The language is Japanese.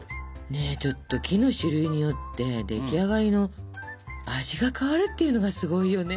ねえちょっと木の種類によって出来上がりの味が変わるっていうのがすごいよね。